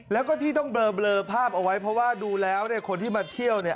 แล้วก็ที่ต้องเบลอภาพเอาไว้เพราะว่าดูแล้วเนี่ยคนที่มาเที่ยวเนี่ย